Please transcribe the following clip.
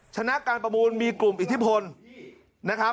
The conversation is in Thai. ชนะการประมูลมีกลุ่มอิทธิพลนะครับ